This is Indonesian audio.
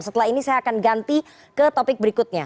setelah ini saya akan ganti ke topik berikutnya